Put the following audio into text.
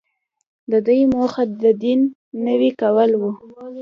د دوی موخه د دین نوی کول وو.